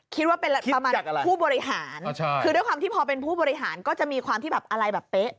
คิดว่าเป็นประมาณผู้บริหารคือด้วยความที่พอเป็นผู้บริหารก็จะมีความที่แบบอะไรแบบเป๊ะ